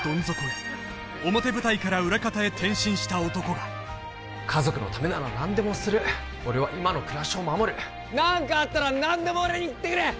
転身した男が家族のためなら何でもする俺は今の暮らしを守る何かあったら何でも俺に言ってくれ！